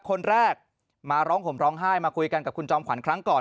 คนแรกมาร้องห่มร้องไห้มาคุยกันกับคุณจอมขวัญครั้งก่อน